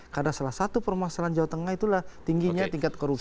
karena salah satu permasalahan jawa tengah itulah tingginya tingkat korupsi